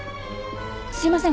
すいません